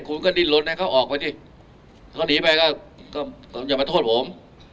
คุณก็ดิ้นลนให้เขาออกไปสิเขาหนีไปก็อย่ามาโทษผม